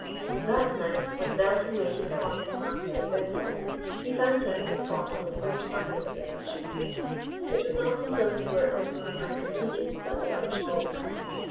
That night, when Belton waited upon his master at bedtime, he found him, if possible more silent than usual. It was not until his work was well nigh completed that the other spoke.